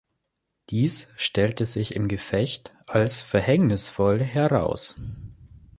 Dies stellte sich im Gefecht als verhängnisvoll heraus.